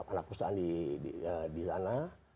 perusahaan di sana